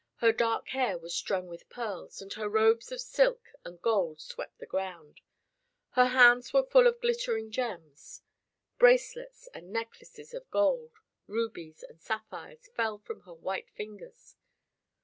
Her dark hair was strung with pearls, and her robes of silk and gold swept the ground. Her hands were full of glittering gems. Bracelets and necklaces of gold, rubies and sapphires fell from her white fingers.